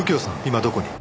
今どこに？